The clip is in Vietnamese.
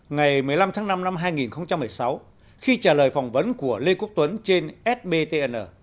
ngày một mươi năm tháng năm năm hai nghìn một mươi sáu khi trả lời phỏng vấn của lê quốc tuấn trên sbtn